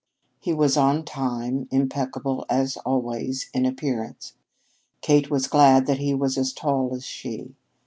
He was on time, impeccable, as always, in appearance. Kate was glad that he was as tall as she.